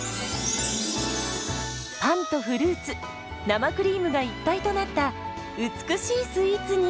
パンとフルーツ生クリームが一体となった美しいスイーツに。